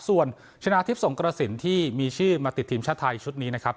ส่วนชนะทิพย์สงกระสินที่มีชื่อมาติดทีมชาติไทยชุดนี้นะครับ